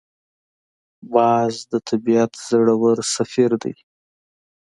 باز د طبیعت زړور سفیر دی